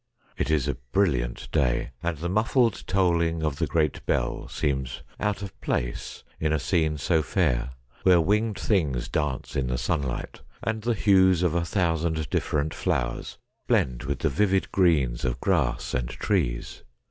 It is a brilliant day, and the muffled tolling of the great bell seems out of place in a scene so fair, where winged things dance in the sunlight, and the hues of a thousand different flowers blend with the vivid greens of grass and trees.